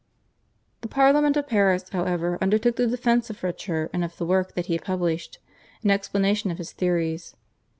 The Parliament of Paris, however, undertook the defence of Richer and of the work that he published in explanation of his theories.